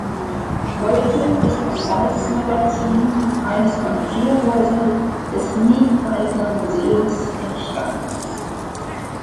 Heute ist das Salzmagazin eines von vier Häusern des Nidwaldner Museums in Stans.